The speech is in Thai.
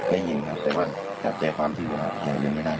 ไม่ยินครับแต่ว่าแต่แต่ความผิดก็ไม่ได้ลืมไม่ได้